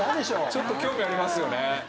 ちょっと興味ありますよね。